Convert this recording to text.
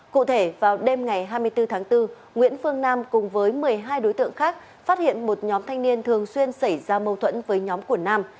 cụ thể vào đêm ngày hai mươi bốn tháng bốn nguyễn phương nam cùng với một mươi hai đối tượng khác phát hiện một nhóm thanh niên thường xuyên xảy ra mâu thuẫn với nhóm của nam